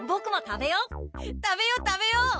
食べよう食べよう。